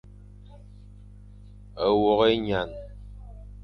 Wôkh ényan.